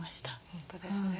本当ですね。